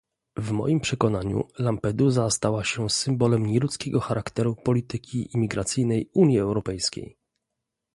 W moim przekonaniu Lampeduza stała się symbolem nieludzkiego charakteru polityki imigracyjnej Unii Europejskiej